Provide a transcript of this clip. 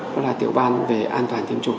đó là tiểu ban về an toàn tiêm chủng